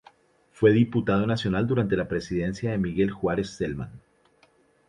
Fue diputado nacional durante la presidencia de Miguel Juárez Celman.